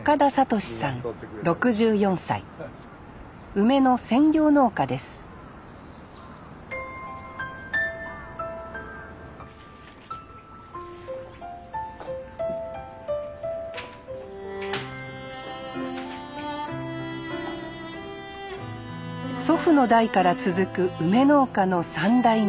梅の専業農家です祖父の代から続く梅農家の３代目。